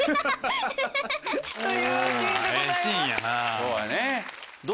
そうやね。